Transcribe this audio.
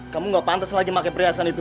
kamu gak pantas lagi pakai perhiasan itu